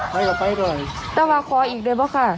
ไปก็ไปด้วยแต่ว่าขออีกได้ป่ะค่ะ